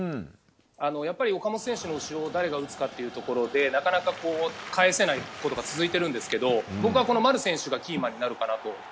やっぱり岡本選手の後ろを誰が打つかというところでなかなか返せないことが続いているんですが僕は丸選手がキーマンになると。